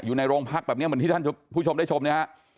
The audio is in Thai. อยู่ในโรงพักแบบนี้เหมือนที่ท่านผู้ชมได้ชมเนี่ยฮะ